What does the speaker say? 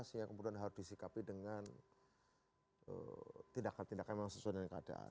sehingga kemudian harus disikapi dengan tindakan tindakan yang sesuai dengan keadaan